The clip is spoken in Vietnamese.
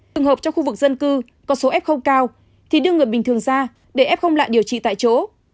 từng hợp trong khu vực dân cư có số f cao thì đưa người bình thường ra để f không lạ điều trị tại chỗ